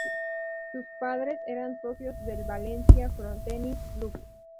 Sus padres eran socios del Valencia frontenis club.